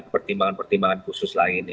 pertimbangan pertimbangan khusus lain